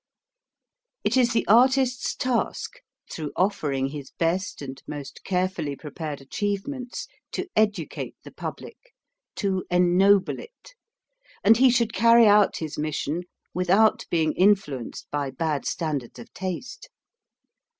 It is the artist's task, through offering his best and most carefully prepared achieve ments, to educate the public, to ennoble it; and he should carry out his mission without being influenced by bad standards of taste.